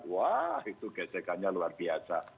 wah itu gesekannya luar biasa